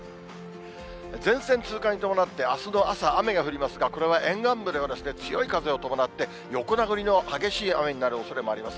前線通過に伴って、あすの朝、雨が降りますが、これは沿岸部ではですね、強い風を伴って、横殴りの激しい雨になるおそれもあります。